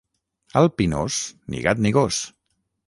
Al Pinós, ni gat ni gos.